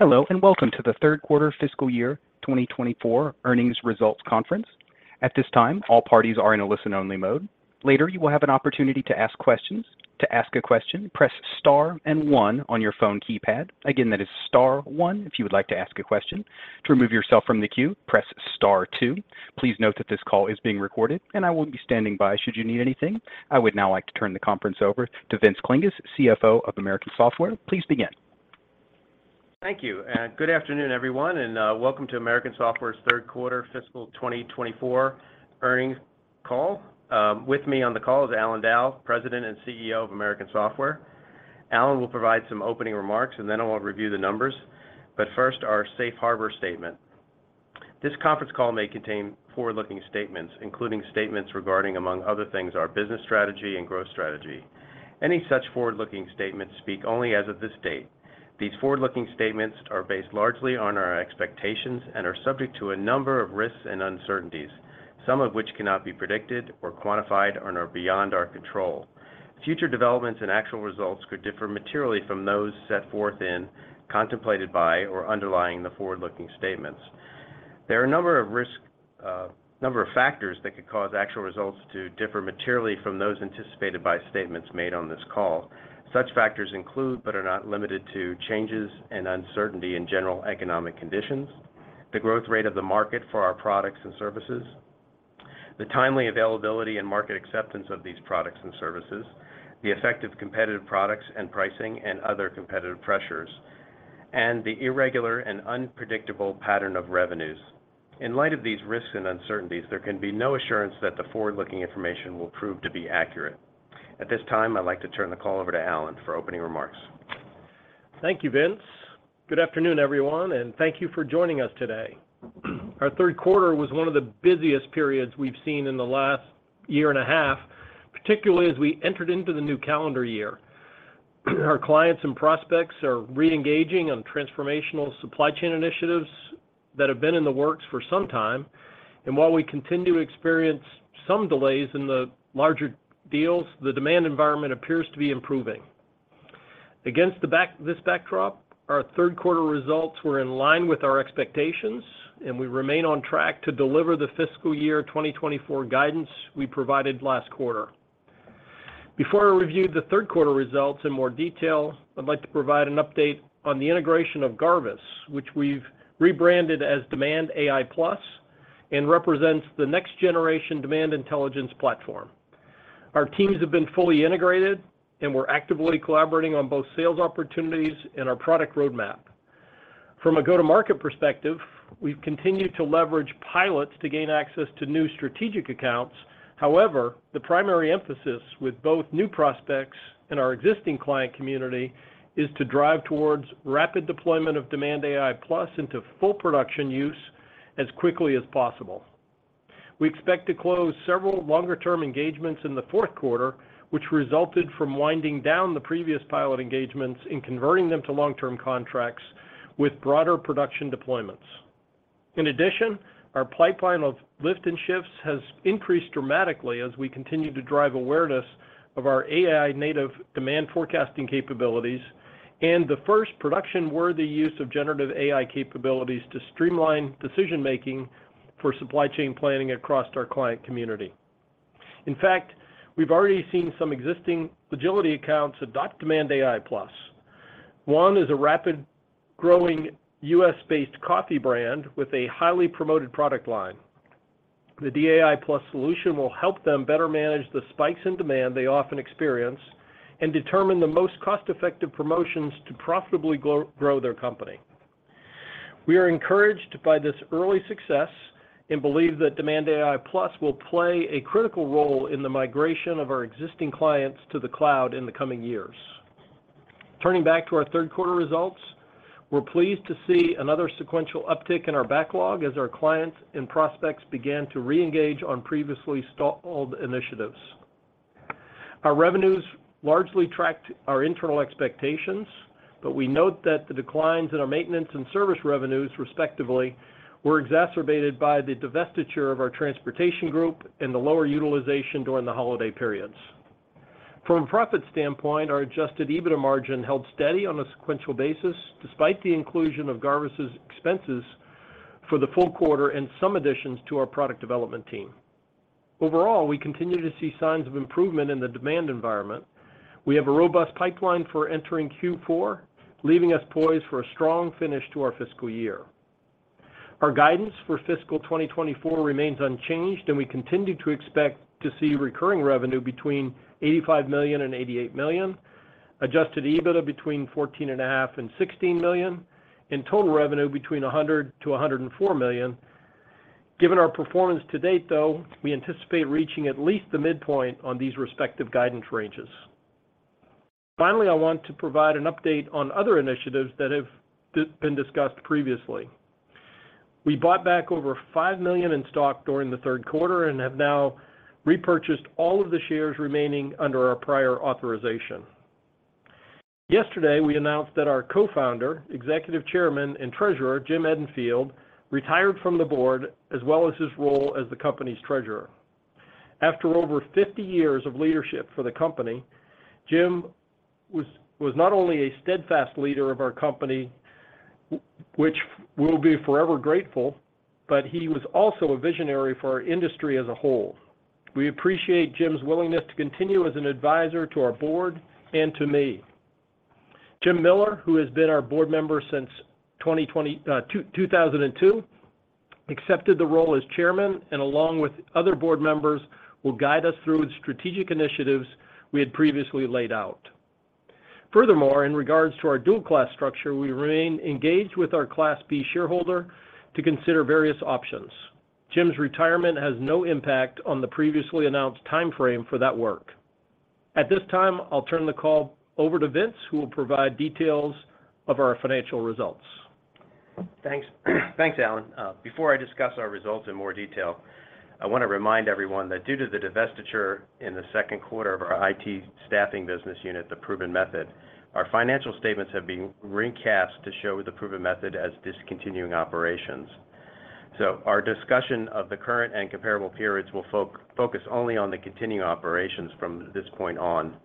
Hello and welcome to the third quarter fiscal year 2024 earnings results conference. At this time, all parties are in a listen-only mode. Later, you will have an opportunity to ask questions. To ask a question, press star and one on your phone keypad. Again, that is star one if you would like to ask a question. To remove yourself from the queue, press star two. Please note that this call is being recorded, and I will be standing by should you need anything. I would now like to turn the conference over to Vince Klinges, CFO of American Software. Please begin. Thank you. Good afternoon, everyone, and welcome to American Software's third quarter fiscal 2024 earnings call. With me on the call is Allan Dow, President and CEO of American Software. Allan will provide some opening remarks, and then I will review the numbers. But first, our Safe Harbor statement. This conference call may contain forward-looking statements, including statements regarding, among other things, our business strategy and growth strategy. Any such forward-looking statements speak only as of this date. These forward-looking statements are based largely on our expectations and are subject to a number of risks and uncertainties, some of which cannot be predicted or quantified and are beyond our control. Future developments and actual results could differ materially from those set forth in, contemplated by, or underlying the forward-looking statements. There are a number of factors that could cause actual results to differ materially from those anticipated by statements made on this call. Such factors include but are not limited to changes and uncertainty in general economic conditions, the growth rate of the market for our products and services, the timely availability and market acceptance of these products and services, the effect of competitive products and pricing and other competitive pressures, and the irregular and unpredictable pattern of revenues. In light of these risks and uncertainties, there can be no assurance that the forward-looking information will prove to be accurate. At this time, I'd like to turn the call over to Allan for opening remarks. Thank you, Vince. Good afternoon, everyone, and thank you for joining us today. Our third quarter was one of the busiest periods we've seen in the last year and a half, particularly as we entered into the new calendar year. Our clients and prospects are re-engaging on transformational supply chain initiatives that have been in the works for some time, and while we continue to experience some delays in the larger deals, the demand environment appears to be improving. Against this backdrop, our third quarter results were in line with our expectations, and we remain on track to deliver the fiscal year 2024 guidance we provided last quarter. Before I review the third quarter results in more detail, I'd like to provide an update on the integration of Garvis, which we've rebranded as DemandAI+ and represents the next-generation demand intelligence platform. Our teams have been fully integrated, and we're actively collaborating on both sales opportunities and our product roadmap. From a go-to-market perspective, we've continued to leverage pilots to gain access to new strategic accounts. However, the primary emphasis with both new prospects and our existing client community is to drive towards rapid deployment of Demand AI Plus into full production use as quickly as possible. We expect to close several longer-term engagements in the fourth quarter, which resulted from winding down the previous pilot engagements and converting them to long-term contracts with broader production deployments. In addition, our pipeline of lift-and-shifts has increased dramatically as we continue to drive awareness of our AI-native demand forecasting capabilities and the first production-worthy use of generative AI capabilities to streamline decision-making for supply chain planning across our client community. In fact, we've already seen some existing Logility accounts adopt Demand AI Plus. One is a rapid-growing U.S.-based coffee brand with a highly promoted product line. The DAI+ solution will help them better manage the spikes in demand they often experience and determine the most cost-effective promotions to profitably grow their company. We are encouraged by this early success and believe that Demand AI Plus will play a critical role in the migration of our existing clients to the cloud in the coming years. Turning back to our third quarter results, we're pleased to see another sequential uptick in our backlog as our clients and prospects began to re-engage on previously stalled initiatives. Our revenues largely tracked our internal expectations, but we note that the declines in our maintenance and service revenues, respectively, were exacerbated by the divestiture of our transportation group and the lower utilization during the holiday periods. From a profit standpoint, our adjusted EBITDA margin held steady on a sequential basis despite the inclusion of Garvis's expenses for the full quarter and some additions to our product development team. Overall, we continue to see signs of improvement in the demand environment. We have a robust pipeline for entering Q4, leaving us poised for a strong finish to our fiscal year. Our guidance for fiscal 2024 remains unchanged, and we continue to expect to see recurring revenue between $85 million and $88 million, adjusted EBITDA between $14.5 million and $16 million, and total revenue between $100 million to $104 million. Given our performance to date, though, we anticipate reaching at least the midpoint on these respective guidance ranges. Finally, I want to provide an update on other initiatives that have been discussed previously. We bought back over $5 million in stock during the third quarter and have now repurchased all of the shares remaining under our prior authorization. Yesterday, we announced that our co-founder, executive chairman, and treasurer, Jim Edenfield, retired from the board as well as his role as the company's treasurer. After over 50 years of leadership for the company, Jim was not only a steadfast leader of our company, which we'll be forever grateful, but he was also a visionary for our industry as a whole. We appreciate Jim's willingness to continue as an advisor to our board and to me. Jim Miller, who has been our board member since 2002, accepted the role as chairman and, along with other board members, will guide us through the strategic initiatives we had previously laid out. Furthermore, in regards to our dual-class structure, we remain engaged with our Class B shareholder to consider various options. Jim's retirement has no impact on the previously announced timeframe for that work. At this time, I'll turn the call over to Vince, who will provide details of our financial results. Thanks, Allan. Before I discuss our results in more detail, I want to remind everyone that due to the divestiture in the second quarter of our IT staffing business unit, the Proven Method, our financial statements have been recast to show the Proven Method as discontinuing operations. So our discussion of the current and comparable periods will focus only on the continuing operations from this point on.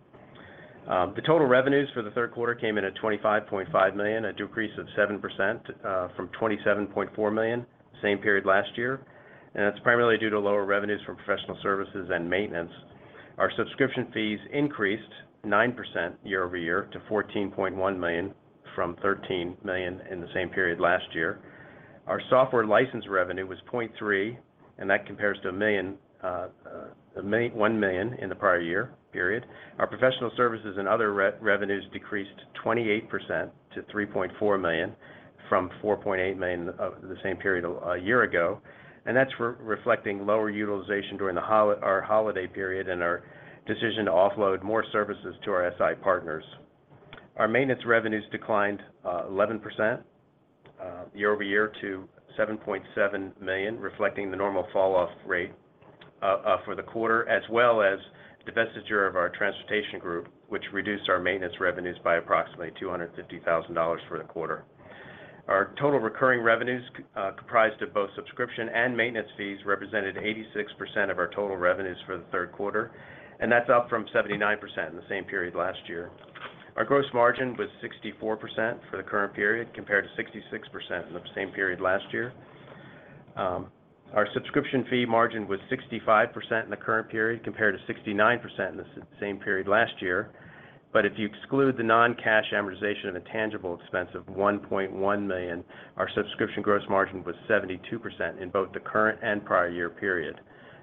The total revenues for the third quarter came in at $25.5 million, a decrease of 7% from $27.4 million, same period last year, and that's primarily due to lower revenues from professional services and maintenance. Our subscription fees increased 9% year-over-year to $14.1 million from $13 million in the same period last year. Our software license revenue was $0.3 million, and that compares to $1 million in the prior year. Our professional services and other revenues decreased 28% to $3.4 million from $4.8 million the same period a year ago, and that's reflecting lower utilization during our holiday period and our decision to offload more services to our SI partners. Our maintenance revenues declined 11% year-over-year to $7.7 million, reflecting the normal falloff rate for the quarter, as well as divestiture of our transportation group, which reduced our maintenance revenues by approximately $250,000 for the quarter. Our total recurring revenues, comprised of both subscription and maintenance fees, represented 86% of our total revenues for the third quarter, and that's up from 79% in the same period last year. Our gross margin was 64% for the current period, compared to 66% in the same period last year. Our subscription fee margin was 65% in the current period, compared to 69% in the same period last year, but if you exclude the non-cash amortization of a tangible expense of $1.1 million, our subscription gross margin was 72% in both the current and prior year period.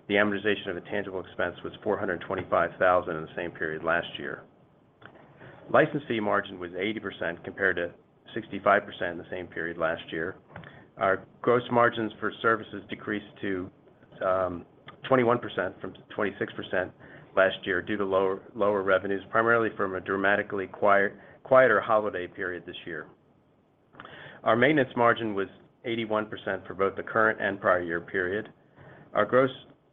The amortization of intangible expense was $425,000 in the same period last year. License fee margin was 80%, compared to 65% in the same period last year. Our gross margins for services decreased to 21% from 26% last year due to lower revenues, primarily from a dramatically quieter holiday period this year. Our maintenance margin was 81% for both the current and prior year period. Our gross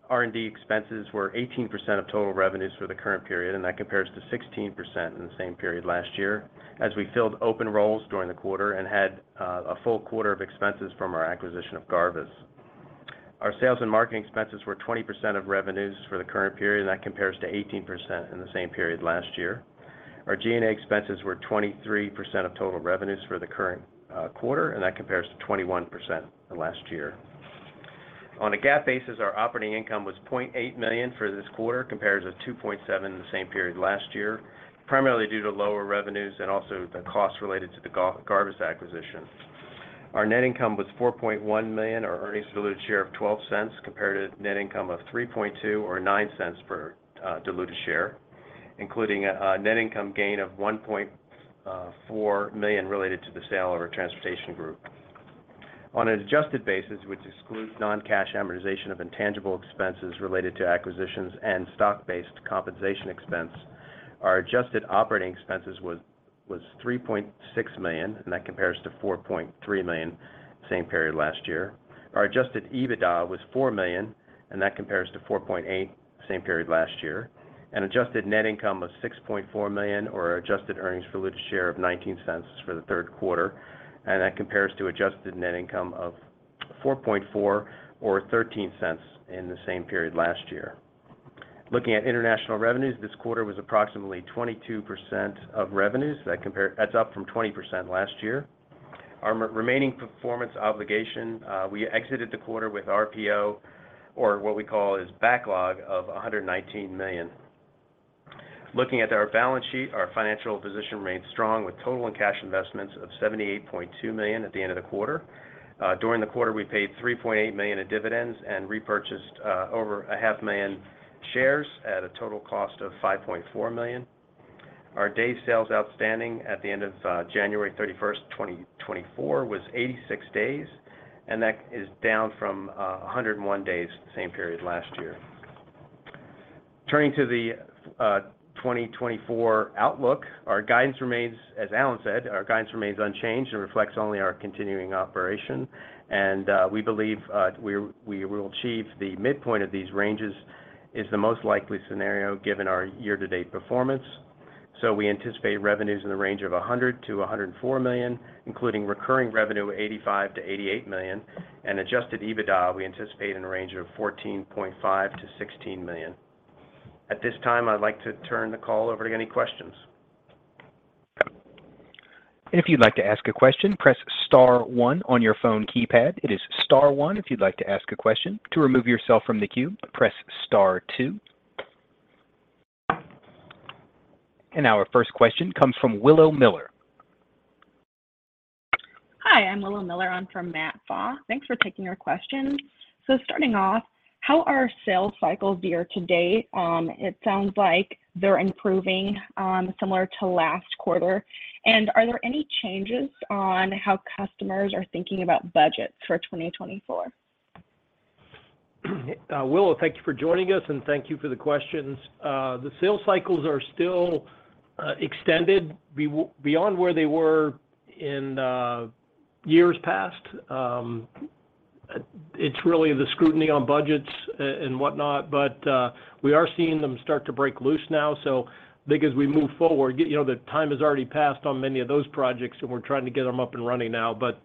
R&D expenses were 18% of total revenues for the current period, and that compares to 16% in the same period last year, as we filled open roles during the quarter and had a full quarter of expenses from our acquisition of Garvis. Our sales and marketing expenses were 20% of revenues for the current period, and that compares to 18% in the same period last year. Our G&A expenses were 23% of total revenues for the current quarter, and that compares to 21% last year. On a GAAP basis, our operating income was $0.8 million for this quarter, compared to $2.7 million in the same period last year, primarily due to lower revenues and also the costs related to the Garvis acquisition. Our net income was $4.1 million, our earnings per diluted share of $0.12, compared to net income of $3.2 million or $0.09 per diluted share, including a net income gain of $1.4 million related to the sale of our transportation group. On an adjusted basis, which excludes non-cash amortization of intangible expenses related to acquisitions and stock-based compensation expense, our adjusted operating expenses were $3.6 million, and that compares to $4.3 million, same period last year. Our adjusted EBITDA was $4 million, and that compares to $4.8 million, same period last year. An adjusted net income was $6.4 million, or an adjusted earnings diluted share of $0.19 for the third quarter, and that compares to adjusted net income of $4.4 million or $0.13 in the same period last year. Looking at international revenues, this quarter was approximately 22% of revenues. That's up from 20% last year. Our remaining performance obligation, we exited the quarter with RPO, or what we call is backlog, of $119 million. Looking at our balance sheet, our financial position remained strong, with total cash and investments of $78.2 million at the end of the quarter. During the quarter, we paid $3.8 million in dividends and repurchased over 500,000 shares at a total cost of $5.4 million. Our Days Sales Outstanding at the end of January 31, 2024, was 86 days, and that is down from 101 days the same period last year. Turning to the 2024 outlook, our guidance remains, as Allan said, our guidance remains unchanged and reflects only our continuing operation. We believe we will achieve the midpoint of these ranges is the most likely scenario given our year-to-date performance. So we anticipate revenues in the range of $100-$104 million, including recurring revenue $85-$88 million, and Adjusted EBITDA we anticipate in the range of $14.5-$16 million. At this time, I'd like to turn the call over to any questions. If you'd like to ask a question, press star one on your phone keypad. It is star one if you'd like to ask a question. To remove yourself from the queue, press star two. Our first question comes from Will Miller. Hi, I'm Will Miller. I'm from Matthew Pfau. Thanks for taking our question. Starting off, how are sales cycles year to date? It sounds like they're improving, similar to last quarter. Are there any changes on how customers are thinking about budgets for 2024? Will, thank you for joining us, and thank you for the questions. The sales cycles are still extended beyond where they were in years past. It's really the scrutiny on budgets and whatnot, but we are seeing them start to break loose now. So I think as we move forward, the time has already passed on many of those projects, and we're trying to get them up and running now. But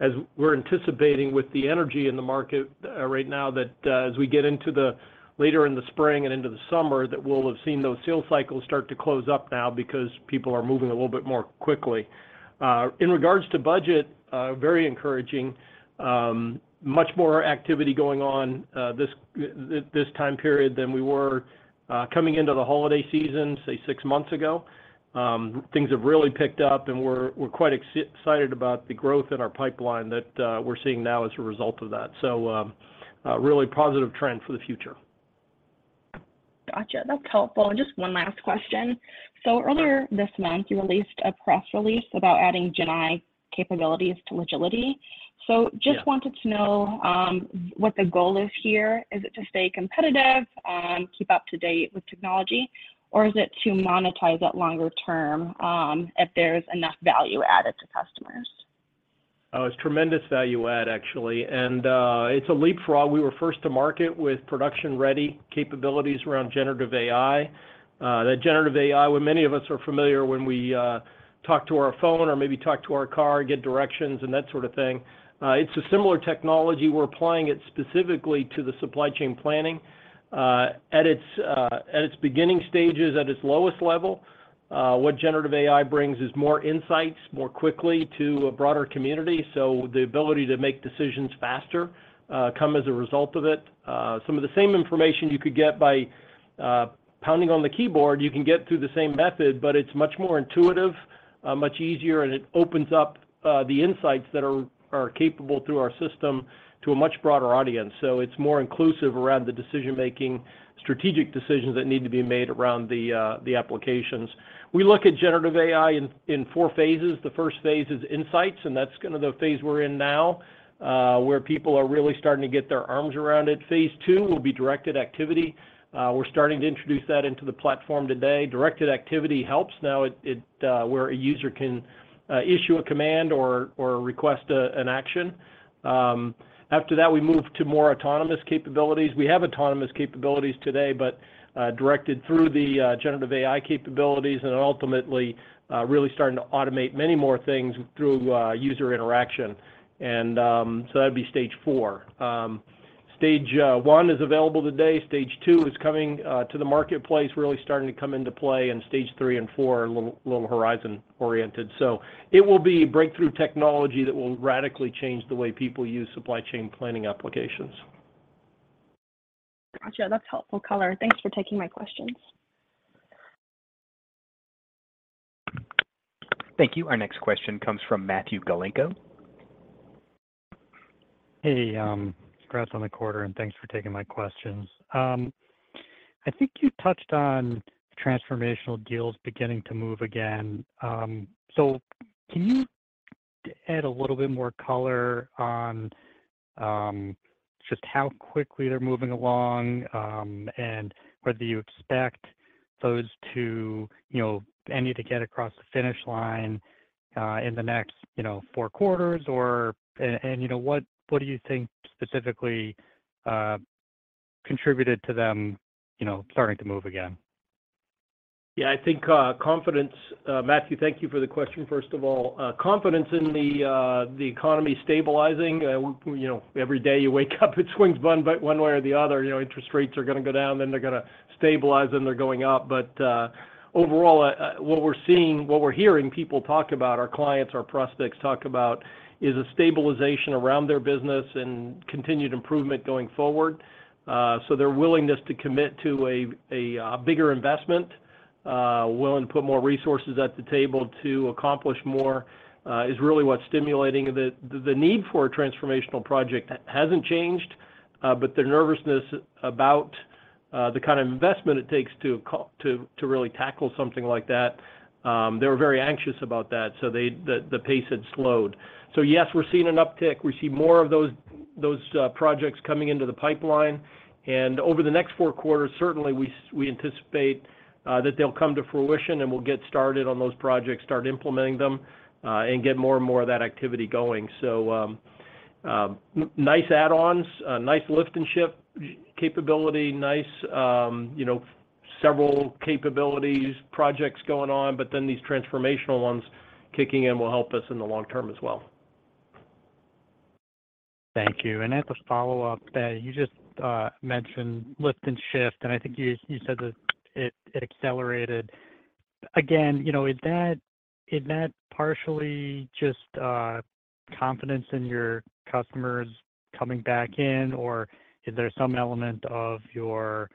as we're anticipating with the energy in the market right now, that as we get into the later in the spring and into the summer, that we'll have seen those sales cycles start to close up now because people are moving a little bit more quickly. In regards to budget, very encouraging. Much more activity going on this time period than we were coming into the holiday season, say, six months ago. Things have really picked up, and we're quite excited about the growth in our pipeline that we're seeing now as a result of that. So really positive trend for the future. Gotcha. That's helpful. And just one last question. So earlier this month, you released a press release about adding GenAI capabilities to Logility. So just wanted to know what the goal is here. Is it to stay competitive, keep up to date with technology, or is it to monetize it longer term if there's enough value added to customers? Oh, it's tremendous value add, actually. It's a leapfrog. We were first to market with production-ready capabilities around Generative AI. That Generative AI, when many of us are familiar when we talk to our phone or maybe talk to our car, get directions, and that sort of thing. It's a similar technology. We're applying it specifically to the supply chain planning. At its beginning stages, at its lowest level, what Generative AI brings is more insights, more quickly, to a broader community. So the ability to make decisions faster come as a result of it. Some of the same information you could get by pounding on the keyboard, you can get through the same method, but it's much more intuitive, much easier, and it opens up the insights that are capable through our system to a much broader audience. So it's more inclusive around the decision-making, strategic decisions that need to be made around the applications. We look at Generative AI in four phases. The first phase is insights, and that's kind of the phase we're in now where people are really starting to get their arms around it. Phase two will be directed activity. We're starting to introduce that into the platform today. Directed activity helps now where a user can issue a command or request an action. After that, we move to more autonomous capabilities. We have autonomous capabilities today, but directed through the Generative AI capabilities and ultimately really starting to automate many more things through user interaction. And so that'd be stage four. Stage one is available today. Stage two is coming to the marketplace, really starting to come into play. And stage three and four are a little horizon-oriented. It will be breakthrough technology that will radically change the way people use supply chain planning applications. Gotcha. That's helpful color. Thanks for taking my questions. Thank you. Our next question comes from Matthew Galinko. Hey, congrats on the quarter, and thanks for taking my questions. I think you touched on transformational deals beginning to move again. So can you add a little bit more color on just how quickly they're moving along and whether you expect those to end up across the finish line in the next four quarters? And what do you think specifically contributed to them starting to move again? Yeah, I think confidence. Matthew, thank you for the question, first of all. Confidence in the economy stabilizing. Every day you wake up, it swings one way or the other. Interest rates are going to go down, then they're going to stabilize, then they're going up. But overall, what we're seeing, what we're hearing people talk about, our clients, our prospects talk about, is a stabilization around their business and continued improvement going forward. So their willingness to commit to a bigger investment, willing to put more resources at the table to accomplish more, is really what's stimulating. The need for a transformational project hasn't changed, but their nervousness about the kind of investment it takes to really tackle something like that, they were very anxious about that, so the pace had slowed. So yes, we're seeing an uptick. We see more of those projects coming into the pipeline. Over the next four quarters, certainly, we anticipate that they'll come to fruition, and we'll get started on those projects, start implementing them, and get more and more of that activity going. So nice add-ons, nice lift and shift capability, nice several capabilities, projects going on, but then these transformational ones kicking in will help us in the long term as well. Thank you. And as a follow-up, you just mentioned Lift-and-Shift, and I think you said that it accelerated. Again, is that partially just confidence in your customers coming back in, or is there some element of your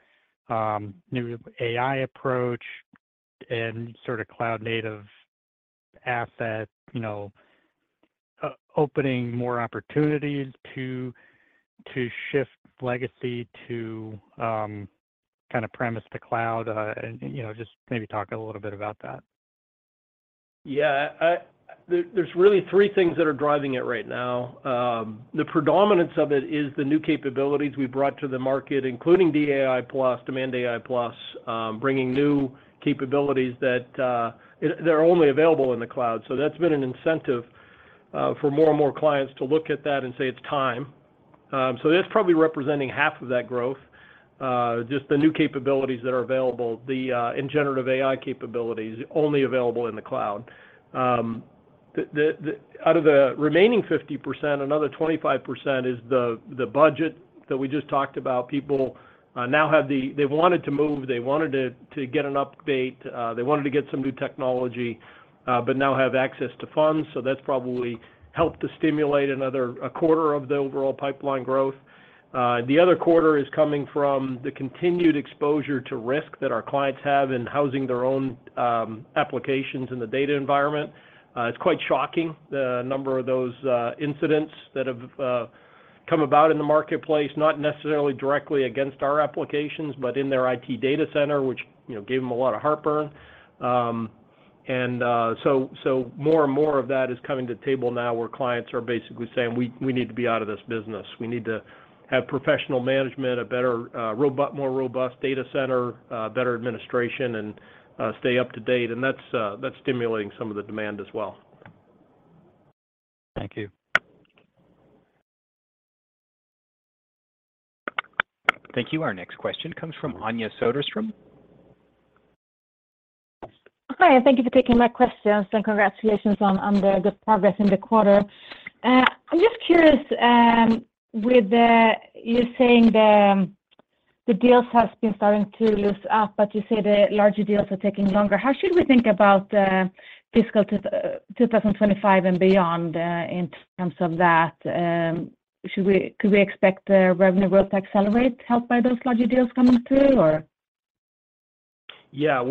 new AI approach and sort of cloud-native asset opening more opportunities to shift legacy on-premise to the cloud? And just maybe talk a little bit about that. Yeah. There's really three things that are driving it right now. The predominance of it is the new capabilities we brought to the market, including DAI Plus, Demand AI Plus, bringing new capabilities that are only available in the cloud. So that's been an incentive for more and more clients to look at that and say, "It's time." So that's probably representing half of that growth, just the new capabilities that are available, the Generative AI capabilities only available in the cloud. Out of the remaining 50%, another 25% is the budget that we just talked about. People now have the they wanted to move. They wanted to get an update. They wanted to get some new technology, but now have access to funds. So that's probably helped to stimulate another quarter of the overall pipeline growth. The other quarter is coming from the continued exposure to risk that our clients have in housing their own applications in the data environment. It's quite shocking, the number of those incidents that have come about in the marketplace, not necessarily directly against our applications, but in their IT data center, which gave them a lot of heartburn. And so more and more of that is coming to the table now where clients are basically saying, "We need to be out of this business. We need to have professional management, a more robust data center, better administration, and stay up to date." And that's stimulating some of the demand as well. Thank you. Thank you. Our next question comes from Anja Soderstrom. Hi. Thank you for taking my questions. Congratulations on the good progress in the quarter. I'm just curious, with you saying the deals have been starting to loosen up, but you say the larger deals are taking longer, how should we think about fiscal 2025 and beyond in terms of that? Could we expect revenue growth to accelerate helped by those larger deals coming through, or? Yeah.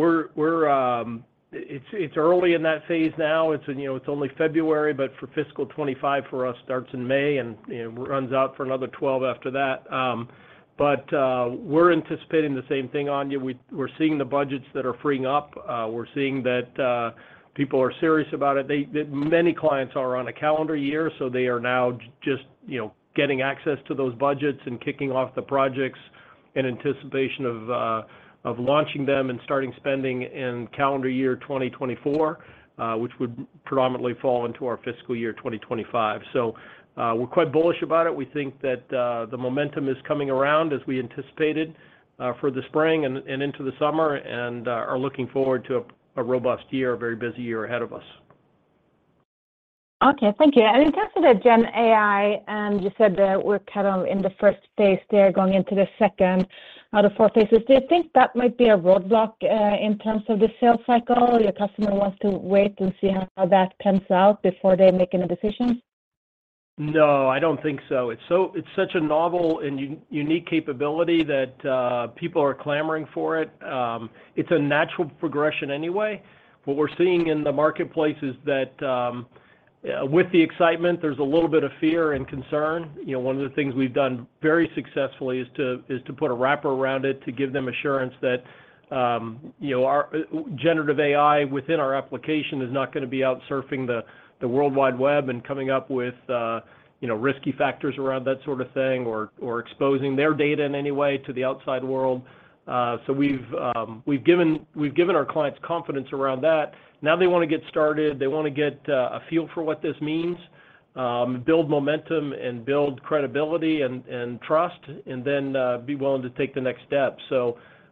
It's early in that phase now. It's only February, but for fiscal 2025, for us, starts in May and runs out for another 12 after that. But we're anticipating the same thing, Anja. We're seeing the budgets that are freeing up. We're seeing that people are serious about it. Many clients are on a calendar year, so they are now just getting access to those budgets and kicking off the projects in anticipation of launching them and starting spending in calendar year 2024, which would predominantly fall into our fiscal year 2025. So we're quite bullish about it. We think that the momentum is coming around, as we anticipated, for the spring and into the summer and are looking forward to a robust year, a very busy year ahead of us. Okay. Thank you. In terms of the GenAI, you said that we're kind of in the first phase there, going into the second out of four phases. Do you think that might be a roadblock in terms of the sales cycle? Your customer wants to wait and see how that pans out before they make any decisions? No, I don't think so. It's such a novel and unique capability that people are clamoring for it. It's a natural progression anyway. What we're seeing in the marketplace is that with the excitement, there's a little bit of fear and concern. One of the things we've done very successfully is to put a wrapper around it to give them assurance that Generative AI within our application is not going to be outsurfing the World Wide Web and coming up with risky factors around that sort of thing or exposing their data in any way to the outside world. So we've given our clients confidence around that. Now they want to get started. They want to get a feel for what this means, build momentum and build credibility and trust, and then be willing to take the next step.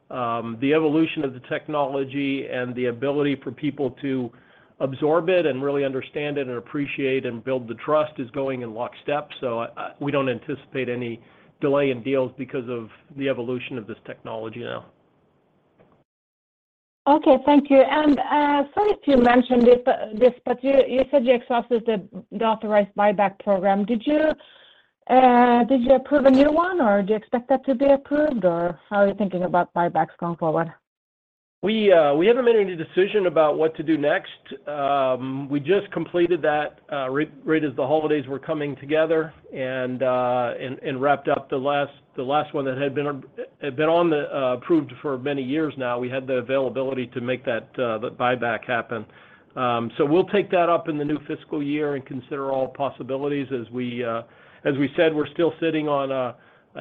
The evolution of the technology and the ability for people to absorb it and really understand it and appreciate and build the trust is going in locked steps. So we don't anticipate any delay in deals because of the evolution of this technology now. Okay. Thank you. And sorry if you mentioned this, but you said you exhausted the authorized buyback program. Did you approve a new one, or do you expect that to be approved, or how are you thinking about buybacks going forward? We haven't made any decision about what to do next. We just completed that right as the holidays were coming together and wrapped up the last one that had been on the approved for many years now. We had the availability to make that buyback happen. So we'll take that up in the new fiscal year and consider all possibilities. As we said, we're still sitting on a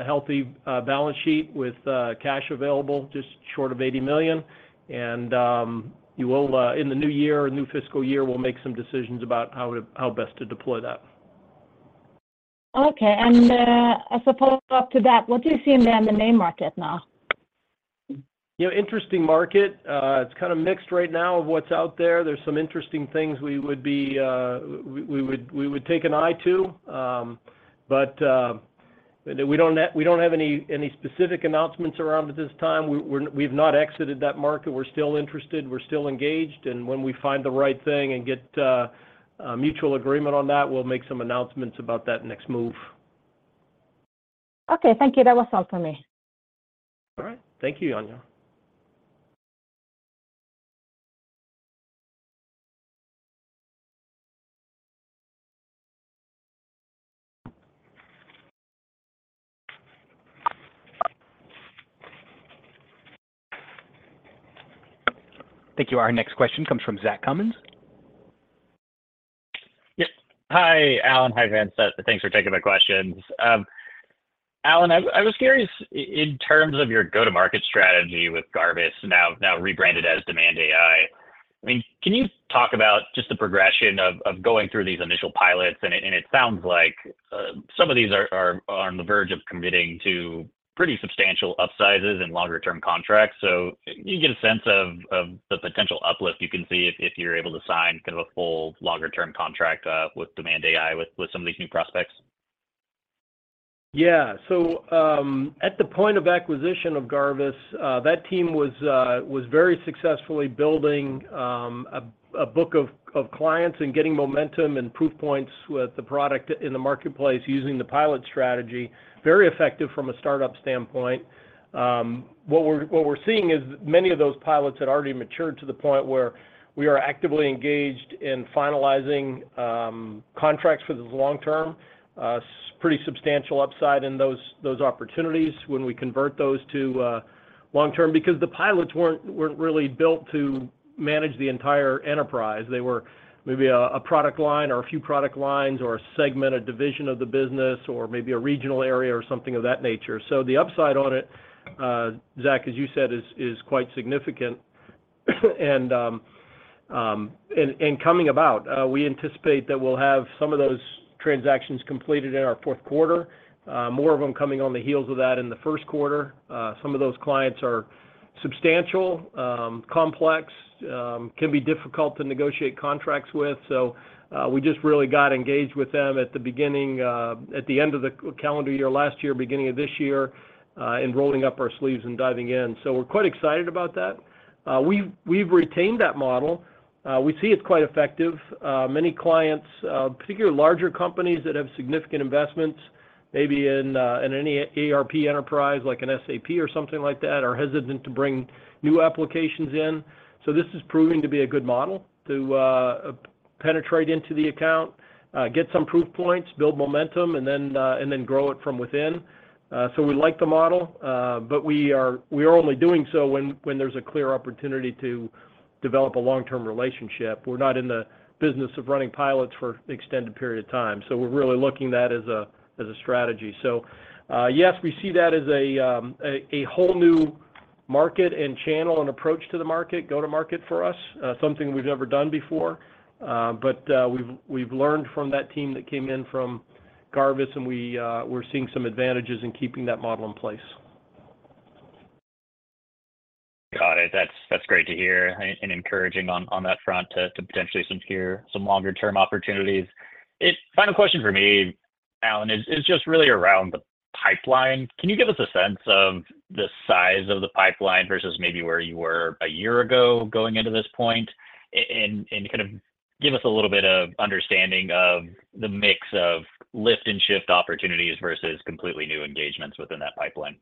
healthy balance sheet with cash available, just short of $80 million. In the new year, new fiscal year, we'll make some decisions about how best to deploy that. Okay. As a follow-up to that, what do you see in the M&A market now? Interesting market. It's kind of mixed right now of what's out there. There's some interesting things we would take an eye to. But we don't have any specific announcements around at this time. We've not exited that market. We're still interested. We're still engaged. And when we find the right thing and get mutual agreement on that, we'll make some announcements about that next move. Okay. Thank you. That was all from me. All right. Thank you, Anja. Thank you. Our next question comes from Zach Cummins. Yep. Hi, Allan. Hi, Vincent. Thanks for taking my questions. Allan, I was curious, in terms of your go-to-market strategy with Garvis, now rebranded as Demand AI, I mean, can you talk about just the progression of going through these initial pilots? And it sounds like some of these are on the verge of committing to pretty substantial upsizes in longer-term contracts. So you get a sense of the potential uplift you can see if you're able to sign kind of a full longer-term contract with Demand AI with some of these new prospects? Yeah. So at the point of acquisition of Garvis, that team was very successfully building a book of clients and getting momentum and proof points with the product in the marketplace using the pilot strategy, very effective from a startup standpoint. What we're seeing is many of those pilots had already matured to the point where we are actively engaged in finalizing contracts for this long-term, pretty substantial upside in those opportunities when we convert those to long-term because the pilots weren't really built to manage the entire enterprise. They were maybe a product line or a few product lines or a segment, a division of the business, or maybe a regional area or something of that nature. So the upside on it, Zach, as you said, is quite significant and coming about. We anticipate that we'll have some of those transactions completed in our fourth quarter, more of them coming on the heels of that in the first quarter. Some of those clients are substantial, complex, can be difficult to negotiate contracts with. So we just really got engaged with them at the beginning at the end of the calendar year last year, beginning of this year, and rolling up our sleeves and diving in. So we're quite excited about that. We've retained that model. We see it's quite effective. Many clients, particularly larger companies that have significant investments, maybe in any ERP enterprise like an SAP or something like that, are hesitant to bring new applications in. So this is proving to be a good model to penetrate into the account, get some proof points, build momentum, and then grow it from within. So we like the model, but we are only doing so when there's a clear opportunity to develop a long-term relationship. We're not in the business of running pilots for an extended period of time. So we're really looking at that as a strategy. So yes, we see that as a whole new market and channel and approach to the market, go-to-market for us, something we've never done before. But we've learned from that team that came in from Garvis, and we're seeing some advantages in keeping that model in place. Got it. That's great to hear and encouraging on that front to potentially some longer-term opportunities. Final question for me, Allan, is just really around the pipeline. Can you give us a sense of the size of the pipeline versus maybe where you were a year ago going into this point and kind of give us a little bit of understanding of the mix of lift-and-shift opportunities versus completely new engagements within that pipeline?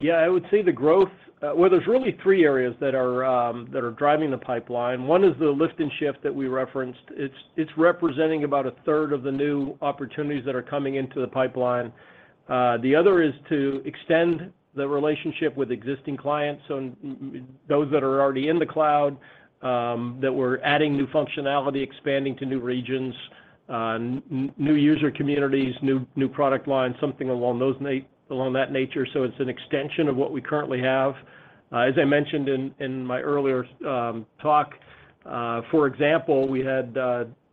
Yeah. I would say the growth, well, there's really three areas that are driving the pipeline. One is the lift and shift that we referenced. It's representing about a third of the new opportunities that are coming into the pipeline. The other is to extend the relationship with existing clients, so those that are already in the cloud that we're adding new functionality, expanding to new regions, new user communities, new product lines, something along that nature. So it's an extension of what we currently have. As I mentioned in my earlier talk, for example, we had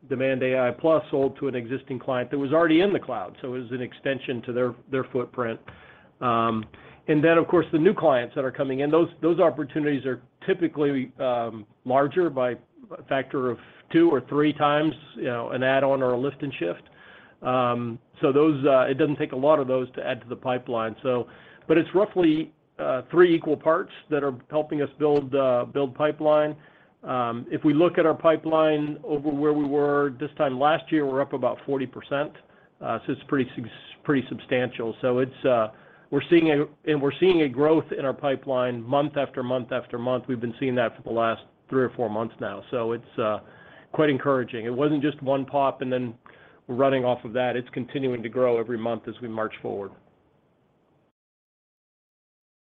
Demand AI Plus sold to an existing client that was already in the cloud. So it was an extension to their footprint. And then, of course, the new clients that are coming in, those opportunities are typically larger by a factor of two or three times, an add-on or a lift and shift. So it doesn't take a lot of those to add to the pipeline. But it's roughly three equal parts that are helping us build pipeline. If we look at our pipeline over where we were this time last year, we're up about 40%. So it's pretty substantial. So we're seeing a growth in our pipeline month after month after month. We've been seeing that for the last three or four months now. So it's quite encouraging. It wasn't just one pop, and then we're running off of that. It's continuing to grow every month as we march forward.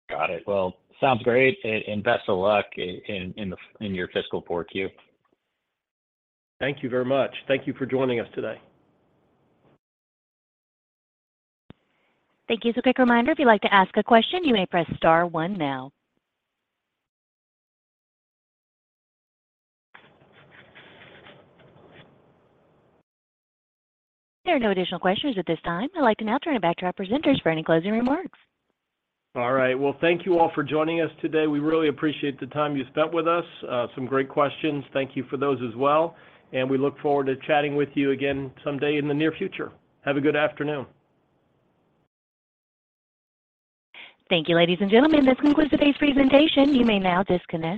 Got it. Well, sounds great. Best of luck in your fiscal fourth year. Thank you very much. Thank you for joining us today. Thank you. As a quick reminder, if you'd like to ask a question, you may press star one now. There are no additional questions at this time. I'd like to now turn it back to our presenters for any closing remarks. All right. Well, thank you all for joining us today. We really appreciate the time you spent with us, some great questions. Thank you for those as well. And we look forward to chatting with you again someday in the near future. Have a good afternoon. Thank you, ladies and gentlemen. This concludes today's presentation. You may now disconnect.